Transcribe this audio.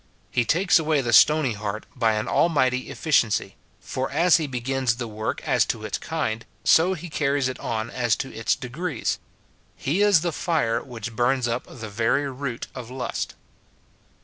He takes away the stony heart by an almighty efficiency ; for as he begins the work as to its kind, so he carries it on as to its degrees. He is the fire which burns up the very root of lust.